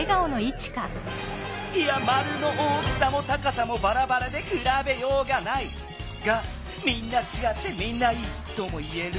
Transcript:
いや丸の大きさも高さもばらばらでくらべようがない！がみんなちがってみんないい！とも言える？